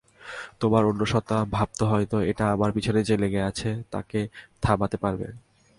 তোমার অন্য সত্তা ভাবতো হয়তো এটা আমার পেছনে যে লেগে আছে তাকে থামাতে পারবে।